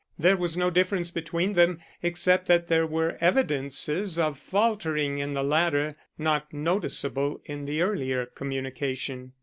There was no difference between them except that there were evidences of faltering in the latter, not noticeable in the earlier communication.